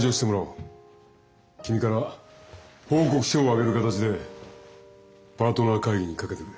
君から報告書を上げる形でパートナー会議にかけてくれ。